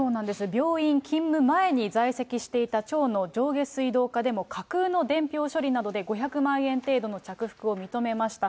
病院勤務前に在籍していた町の上下水道課でも架空の伝票処理などで、５００万円程度の着服を認めました。